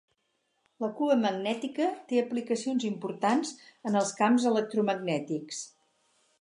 La cua magnètica té aplicacions importants en els camps electromagnètics.